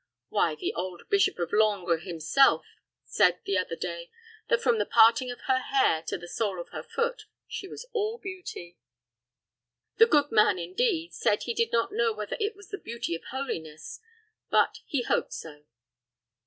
Why, the old Bishop of Longres himself said, the other day, that, from the parting of her hair to the sole of her foot, she was all beauty. The good man, indeed, said he did not know whether it was the beauty of holiness; but he hoped so."